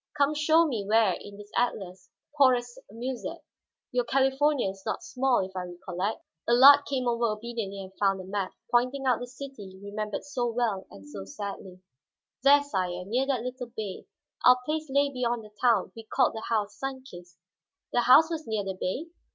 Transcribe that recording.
"Come show me where in this atlas, pour s'amuser. Your California is not small, if I recollect." Allard came over obediently and found the map, pointing out the city remembered so well and so sadly. "There, sire, near that little bay. Our place lay beyond the town; we called the house Sun Kist." "The house was near the bay?"